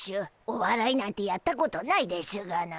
おわらいなんてやったことないでしゅがな。